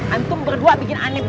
antum berdua bikin aneh decetowo